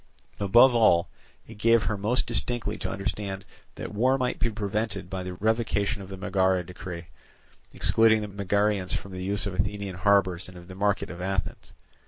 Above all, it gave her most distinctly to understand that war might be prevented by the revocation of the Megara decree, excluding the Megarians from the use of Athenian harbours and of the market of Athens.